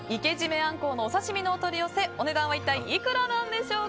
アンコウのお刺し身のお取り寄せお値段は一体いくらなんでしょうか。